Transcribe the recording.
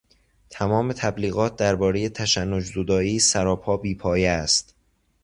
تمام تبلیغات دربارهٔ تشنج زدائی سراپا بی پایه است.